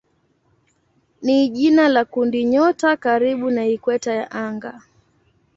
ni jina la kundinyota karibu na ikweta ya anga.